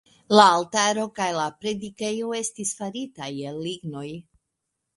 La altaro kaj la predikejo estis faritaj el lignoj.